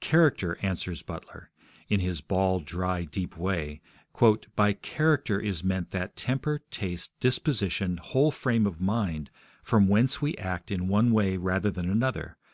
'Character,' answers Butler, in his bald, dry, deep way, 'by character is meant that temper, taste, disposition, whole frame of mind from whence we act in one way rather than another